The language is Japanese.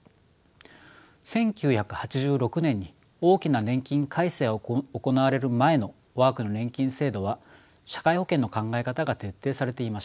１９８６年に大きな年金改正が行われる前の我が国の年金制度は社会保険の考え方が徹底されていました。